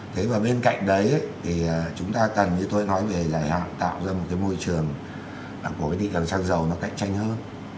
thế và bên cạnh đấy thì chúng ta cần như tôi nói về giải hạn tạo ra một cái môi trường của cái thị trường xăng dầu nó cạnh tranh hơn